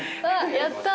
やったー！